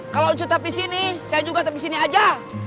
kalau tetap di sini saya juga tetap di sini aja